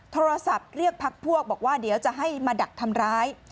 โทรศัพท์เรียกพักพวกบอกว่าเดี๋ยวจะให้มาดักทำร้าย